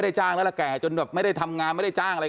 แข็งแข็งแข็งแข็งแข็งแข็งแข็งแข็ง